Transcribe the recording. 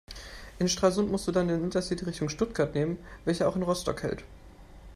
In Stralsund musst du dann den Intercity in Richtung Stuttgart nehmen, welcher auch in Rostock hält.